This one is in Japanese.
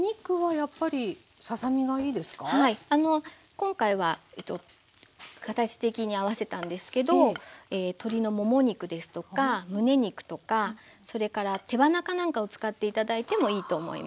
今回は形的に合わせたんですけど鶏のもも肉ですとか胸肉とかそれから手羽中なんかを使って頂いてもいいと思います。